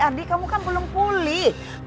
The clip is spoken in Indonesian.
ardi kamu kan belum pulih